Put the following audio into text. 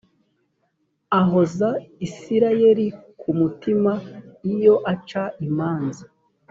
ahoza isirayeli ku mutima iyo aca imanza